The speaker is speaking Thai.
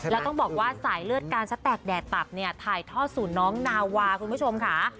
แล้วต้องบอกว่าสายเลือดการสแตกแดดตับเนี่ยถ่ายท่อสู่น้องนาวาคุณผู้ชมค่ะ